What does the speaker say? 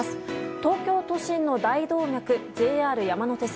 東京都心の大動脈ＪＲ山手線。